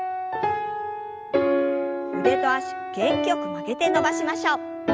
腕と脚元気よく曲げて伸ばしましょう。